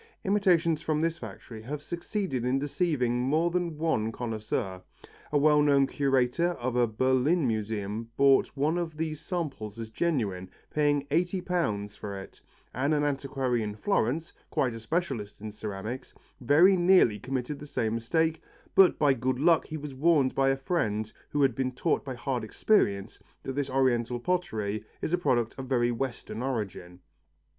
Imitations from this factory have succeeded in deceiving more than one connoisseur. A well known curator of a Berlin museum bought one of these samples as genuine, paying eighty pounds for it, and an antiquary of Florence, quite a specialist in ceramics, very nearly committed the same mistake, but by good luck he was warned by a friend who had been taught by hard experience that this Oriental pottery is a product of very Western origin.